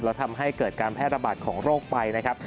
แล้วทำให้เกิดการแพร่ระบาดของโรคไปนะครับ